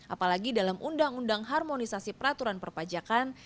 apalagi dalam undang undang harmonisasi peraturan perpajakan